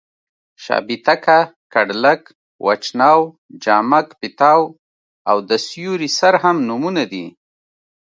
شابېتکه، کډلک، وچ ناو، جامک پېتاو او د سیوري سر هم نومونه دي.